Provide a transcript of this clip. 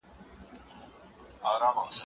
تاسو باید د مقالي لپاره یوه نوې لاره ومومئ.